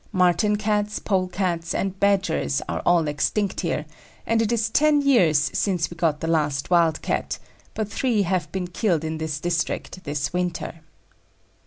Martin Cats, Polecats, and Badgers are all extinct here, and it is ten years since we got the last wild Cat, but three have been killed in this district this winter."